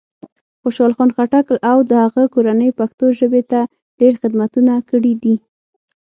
خوشال خان خټک او د هغه کورنۍ پښتو ژبې ته ډېر خدمتونه کړي دی.